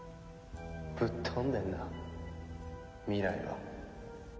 ぶっ飛んでんな未来は。